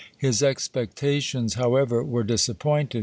His expectations, however, were disappointed.